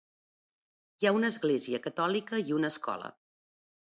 Hi ha una església catòlica i una escola.